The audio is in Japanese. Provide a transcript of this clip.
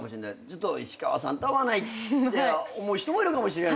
ちょっと石川さんと合わないって思う人もいるかもしれないし。